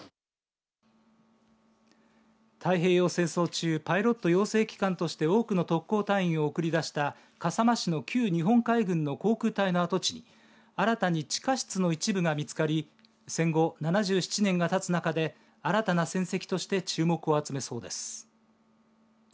太平洋戦争中、パイロット養成機関として多くの特攻隊員を送り出した笠間市の旧日本海軍の航空隊の跡地に新たに地下室の一部が見つかり戦後７７年がたつ中で新たな戦跡として注目を集めそうです。